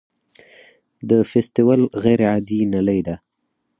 د فیستول غیر عادي نلۍ ده.